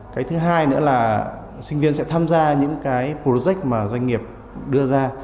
cái thứ hai nữa là sinh viên sẽ tham gia những cái protech mà doanh nghiệp đưa ra